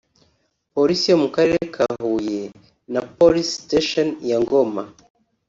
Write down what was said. Polisi yo mu karere ka Huye na Police Station ya Ngoma